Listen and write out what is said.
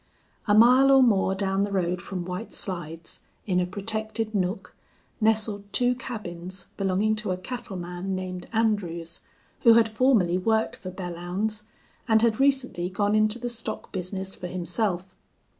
A mile or more down the road from White Slides, in a protected nook, nestled two cabins belonging to a cattleman named Andrews, who had formerly worked for Belllounds and had recently gone into the stock business for himself.